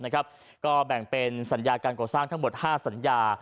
ก็แบ่งเป็นสัญญาการก่อสร้างทั้งหมด๕สัญญา